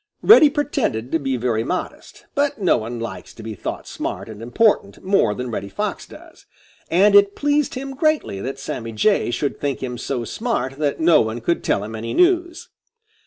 Reddy pretended to be very modest; but no one likes to be thought smart and important more than Reddy Fox does, and it pleased him greatly that Sammy Jay should think him so smart that no one could tell him any news.